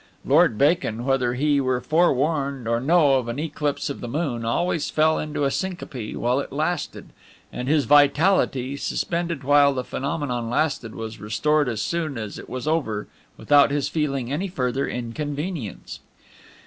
Lord Bacon, whether he were forewarned or no of an eclipse of the moon, always fell into a syncope while it lasted; and his vitality, suspended while the phenomenon lasted was restored as soon as it was over without his feeling any further inconvenience.